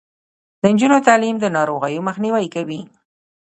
د نجونو تعلیم د ناروغیو مخنیوی کوي.